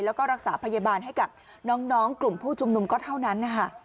แล้วก็รักษาพยาบาลให้กับน้องกลุ่มผู้ชุมนุมก็เท่านั้นนะคะ